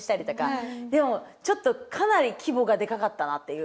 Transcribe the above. でもちょっとかなり規模がでかかったなっていう。